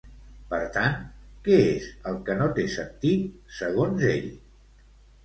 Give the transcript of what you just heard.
Per tant, què és el que no té sentit, segons ell?